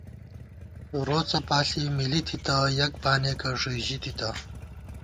روڅہ پاݪی مِلی تِھتہ ، یَک بانېکہ ݫُوئی ژِی تِتہ